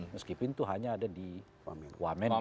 meskipun itu hanya ada di wamen